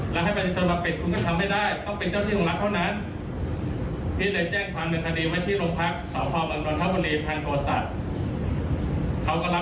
เดี๋ยวบอกกันคุณผู้ชมก่อนว่าที่เขาไปร้องตำรวจ